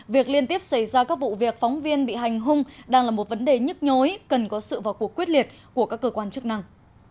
việc liên tiếp xảy ra các vụ việc phóng viên bị hành hung đang là một vấn đề nhức nhối cần có sự vào cuộc quyết liệt của các cơ quan chức năng